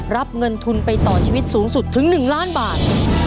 รับเงินทุนไปต่อชีวิตสูงสุดถึง๑ล้านบาท